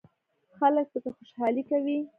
خلک پکې خوشحالي کوي.